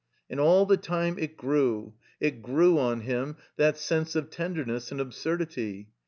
And all the time it grew, it grew on him, that sense of tenderness and absurdity.